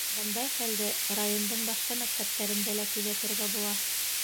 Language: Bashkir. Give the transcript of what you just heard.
Бындай хәлде райондың башҡа мәктәптәрендә лә күҙәтергә була.